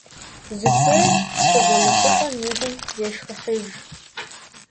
Зыхуейр къызэмыхъулӀэм и гум зешхыхьыж.